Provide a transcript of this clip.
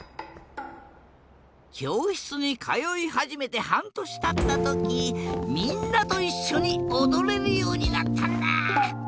きょうしつにかよいはじめてはんとしたったときみんなといっしょにおどれるようになったんだ。